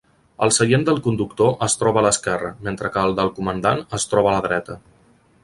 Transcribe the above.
El seient del conductor es troba a l'esquerra, mentre que el del comandant es troba a la dreta.